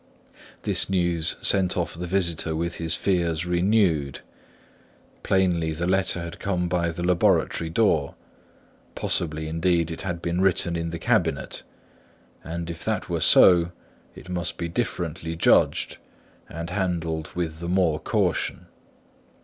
This news sent off the visitor with his fears renewed. Plainly the letter had come by the laboratory door; possibly, indeed, it had been written in the cabinet; and if that were so, it must be differently judged, and handled with the more caution.